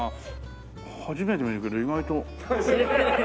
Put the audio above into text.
初めて見るけど意外と。